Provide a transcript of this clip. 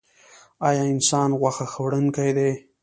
ایا انسان غوښه خوړونکی دی؟